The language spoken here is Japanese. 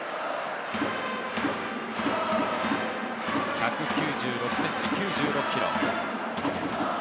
１９６ｃｍ、９５ｋｇ。